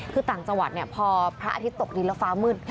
คือต่างจังหวัดพอพระอาทิตย์ตกดินแล้วฟ้ามืด